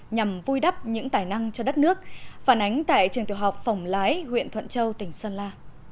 nhằm vui đắp những tài năng cho đất nước phản ánh tại trường tiểu học phồng lái huyện thuận châu tỉnh sơn la